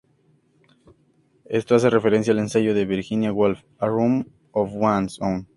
Esto hace referencia al ensayo de Virginia Woolf "A Room of One's Own".